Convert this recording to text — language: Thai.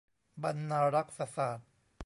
บรรณารักษศาสตร์